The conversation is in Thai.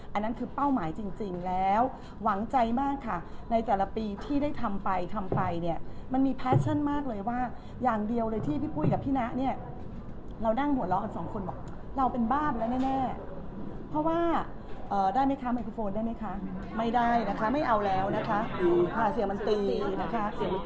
อันนั้นคือเป้าหมายจริงแล้วหวังใจมากค่ะในแต่ละปีที่ได้ทำไปทำไปเนี่ยมันมีแฟชั่นมากเลยว่าอย่างเดียวเลยที่พี่ปุ้ยกับพี่นะเนี่ยเรานั่งหัวเราะกันสองคนบอกเราเป็นบ้าไปแล้วแน่เพราะว่าได้ไหมคะไมโครโฟนได้ไหมคะไม่ได้นะคะไม่เอาแล้วนะคะเสียงมันตีนะคะ